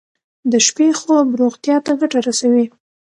د شپې خوب روغتیا ته ګټه رسوي.